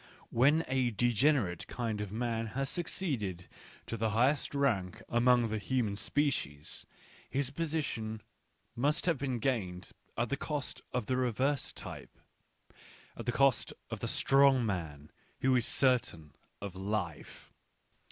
When a degenerate kind of man has succeeded to the highest rank among the human species, his position must have been gained at the cost of the reverse type — at the cost of the strong man who is certain of life.